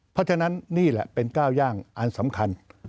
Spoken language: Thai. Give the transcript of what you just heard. เพราะฉะนั้นนี่แหละเป็นก้าวย่างอันสำคัญ